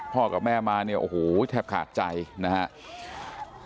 กับแม่มาเนี่ยโอ้โหแทบขาดใจนะครับ